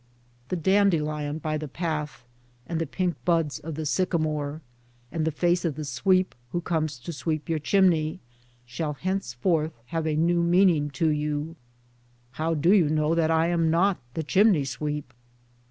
The dandelion by the path, and the pink buds of the sycamore, and the face of the sweep who comes to sweep your chimney, shall henceforth have a new meaning to you, (how do you know that I am not the chimney sweep?)